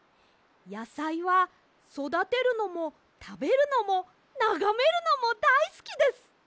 やさいはそだてるのもたべるのもながめるのもだいすきです！